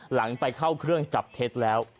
หลังไปเข้าเครื่องจับเท็จแล้ว